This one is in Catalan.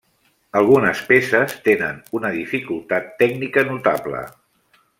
Algunes peces tenen una dificultat tècnica notable.